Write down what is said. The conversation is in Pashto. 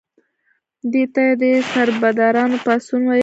دې ته یې د سربدارانو پاڅون ویل.